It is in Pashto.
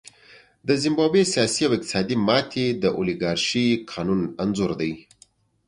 د زیمبابوې سیاسي او اقتصادي ماتې د اولیګارشۍ قانون انځور دی.